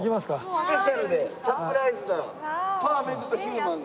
スペシャルでサプライズなパーフェクトヒューマンが。